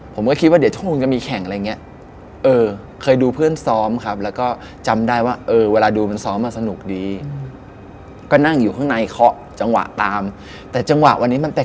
ผมก็คิดว่าเดี๋ยวชั่วโมงจะมีแข่งอะไรอย่างนี้